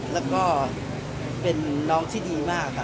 แล้วก็เป็นน้องที่ดีมากค่ะ